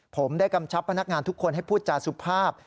ผมได้กำชับพนักงานทุกคนให้พูดจาสุภาพ